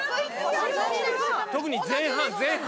特に前半前半！